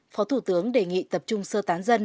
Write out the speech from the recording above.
phó thủ tướng đề nghị tập trung sơ tán dân